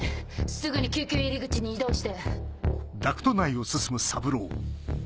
すぐに救急入り口に移動して。